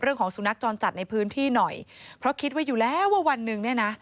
สุนัขจรจัดในพื้นที่หน่อยเพราะคิดไว้อยู่แล้วว่าวันหนึ่งเนี่ยนะ